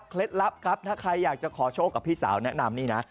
ลับครับถ้าใครอยากจะขอโชคกับพี่สาวแนะนำนี่นะ